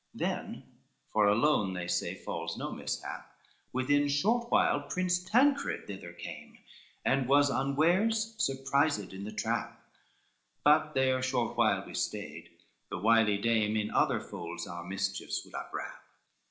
LXX "Then, for alone they say falls no mishap, Within short while Prince Tancred thither came, And was unwares surprised in the trap: But there short while we stayed, the wily dame In other folds our mischiefs would upwrap.